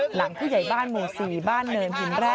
หลังผู้ใหญ่บ้านหมู่๔บ้านเนินหินแร่